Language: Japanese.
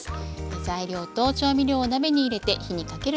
材料と調味料を鍋に入れて火にかけるだけ。